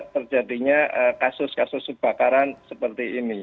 terjadinya kasus kasus kebakaran seperti ini